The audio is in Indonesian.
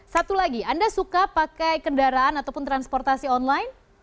satu lagi anda suka pakai kendaraan ataupun transportasi online